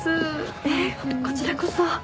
ええこちらこそ。